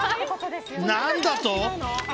何だと！